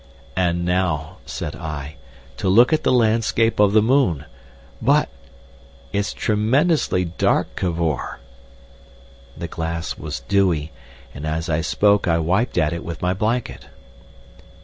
"And now," said I, "to look at the landscape of the moon! But—! It's tremendously dark, Cavor!" The glass was dewy, and as I spoke I wiped at it with my blanket.